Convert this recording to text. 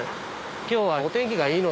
今日はお天気がいいので。